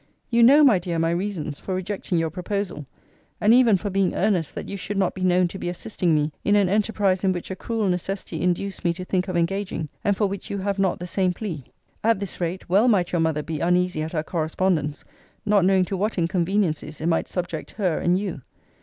You know, my dear, my reasons for rejecting your proposal, and even for being earnest that you should not be known to be assisting me in an enterprise in which a cruel necessity induced me to think of engaging; and for which you have not the same plea. At this rate, well might your mother be uneasy at our correspondence, not knowing to what inconveniencies it might subject her and you!